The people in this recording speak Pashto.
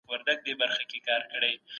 د مغولو تګلاري د حاکمانو لخوا تطبیق کیږي.